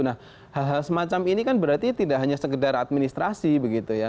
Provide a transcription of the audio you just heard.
nah hal hal semacam ini kan berarti tidak hanya sekedar administrasi begitu ya